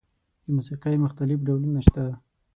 د موسیقۍ مختلف ډولونه شته.